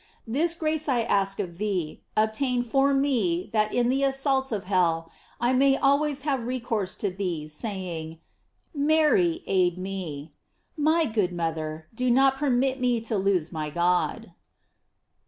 This grace I ask of thee, obtain forme that in the assaults of hell, I may always have recourse to thee, saying: Mary, aid me. My good mother, do not permit me to lose my God.